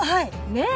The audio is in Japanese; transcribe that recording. ねえ。